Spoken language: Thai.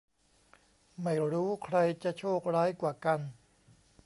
ไม่รู้ใครจะโชคร้ายกว่ากัน